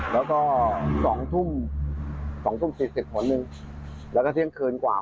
แล้วก็สองทุ่มสองทุ่มศิษย์สิบผลมือแล้วก็เถือนเคยต่อผลมือ